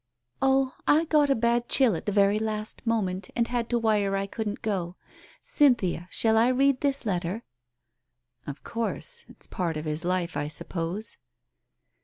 "Oh, I got a bad chill at the very last moment, and had to wire I couldn't go, Cynthia, shall I read this letter?" "Of course. It's part of his life, I suppose."